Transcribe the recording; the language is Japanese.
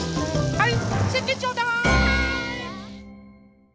はい。